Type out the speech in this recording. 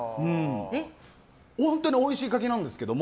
本当においしい柿なんですけど